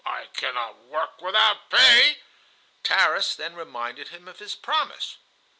I cannot work without pay." Tarras then reminded him of his promise.